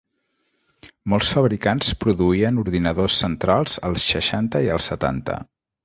Molts fabricants produïen ordinadors centrals als seixanta i als setanta.